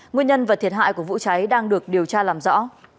nguyên nhân và thiệt hại của vụ cháy đang được điều tra làm rõ